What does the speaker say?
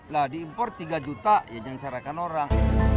nah diimpor tiga juta ya jangan sarankan orang